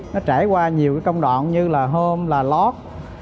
nó trải qua nhiều công đoạn như là hôm là lót